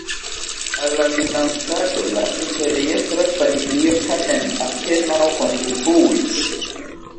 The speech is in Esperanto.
Al la financado la imperiestra familio tamen apenaŭ kontribuis.